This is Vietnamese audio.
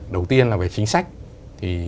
đầu tiên là về chính sách